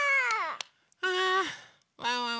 ああワンワン